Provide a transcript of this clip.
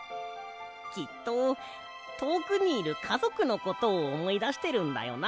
きっととおくにいるかぞくのことをおもいだしてるんだよな。